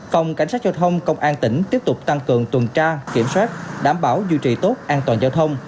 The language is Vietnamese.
phòng cảnh sát giao thông công an tỉnh tiếp tục tăng cường tuần tra kiểm soát đảm bảo duy trì tốt an toàn giao thông